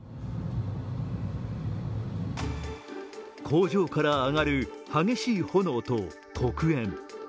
工場から上がる激しい炎と黒煙。